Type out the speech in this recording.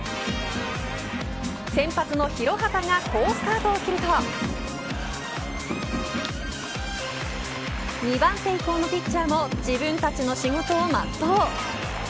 先発の廣畑が好スタートを切ると２番手以降のピッチャーも自分たちの仕事をまっとう。